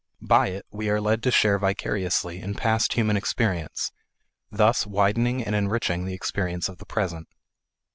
By it we are led to share vicariously in past human experience, thus widening and enriching the experience of the present.